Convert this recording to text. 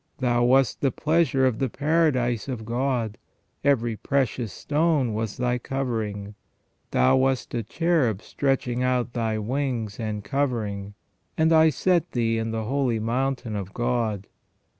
Thou wast the pleasure of the paradise of God : every precious stone was thy covering. ... Thou wast a cherub stretching out thy wings, and covering, and I set thee in the holy mountain of God.